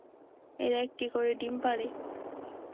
এরা একটি করে ডিম পাড়ে।